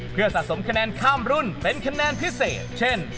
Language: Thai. เพื่อสะสมคะแนนข้ามรุ่นเป็นคะแนนพิเศษเช่น